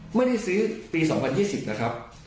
ไม่ได้ซื้อปี๒๐๒๐นะครับ